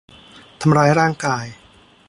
ทำร้ายร่างกาย